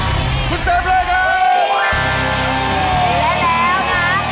คุณเซเฟย์เพลย์ครับ